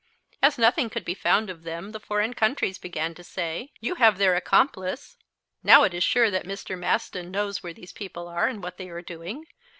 As nothing could be found of them the foreign countries began to say: "You have their accomplice; now it is sure that Mr. Maston knows where these people are and what they are doing.